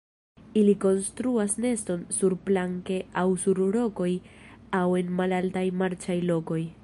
Ili konstruas neston surplanke aŭ sur rokoj aŭ en malaltaj marĉaj lokoj.